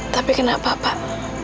tapi kenapa pak